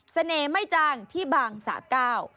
เสน่ห์ไม่จางที่บางสะเก้า